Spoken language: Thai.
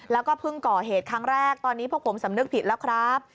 แล้วก็เพิ่งก่อเหตุครั้งแรกตอนนี้พวกผมสำนึกผิดแล้วครับ